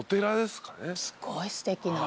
すごいすてきな。